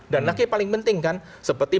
dan lagi paling penting kan seperti